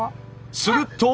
すると。